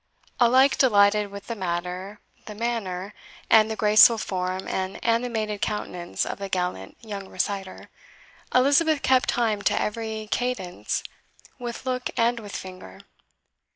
Alike delighted with the matter, the manner, and the graceful form and animated countenance of the gallant young reciter, Elizabeth kept time to every cadence with look and with finger.